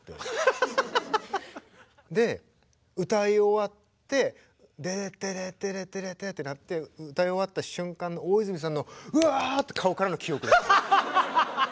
で歌い終わってデデッデデッデデッってなって歌い終わった瞬間の大泉さんのうわ！って顔からの記憶がある。